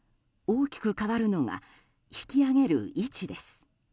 大きく変わるのが引き揚げる位置です。